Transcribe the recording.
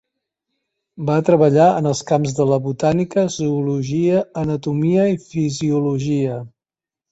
Va treballar en els camps de la botànica, zoologia, anatomia i fisiologia.